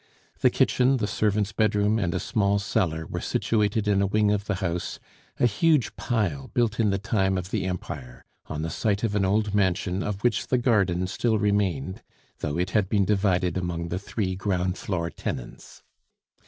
The kitchen, the servant's bedroom, and a small cellar were situated in a wing of the house, a huge pile built in the time of the Empire, on the site of an old mansion of which the garden still remained, though it had been divided among the three ground floor tenants.